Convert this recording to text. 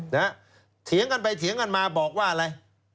เถียงกันไปเถียงกันมาบอกว่าอะไร